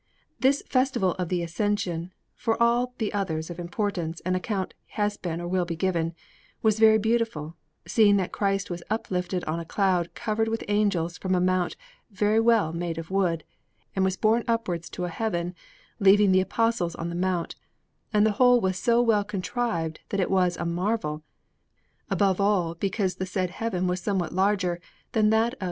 This festival of the Ascension for of the others of importance an account has been or will be given was very beautiful, seeing that Christ was uplifted on a cloud covered with angels from a Mount very well made of wood, and was borne upwards to a Heaven, leaving the Apostles on the Mount; and the whole was so well contrived that it was a marvel, above all because the said Heaven was somewhat larger than that of S.